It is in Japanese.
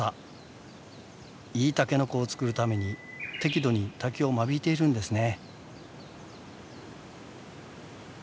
いいタケノコを作るために適度に竹を間引いているんですね。